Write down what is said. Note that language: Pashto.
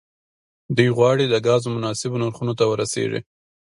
دوی غواړي د ګازو مناسبو نرخونو ته ورسیږي